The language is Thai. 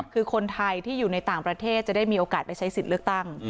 คือคนไทยที่อยู่ในต่างประเทศจะได้มีโอกาสไปใช้สิทธิ์เลือกตั้ง